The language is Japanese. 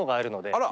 あら！